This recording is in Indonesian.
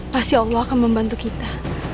pasti allah akan membantu kita